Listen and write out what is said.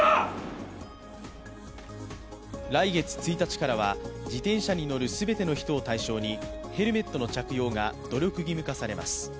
来月１日からは自転車に乗る全ての人を対象にヘルメットの着用が努力義務化されます。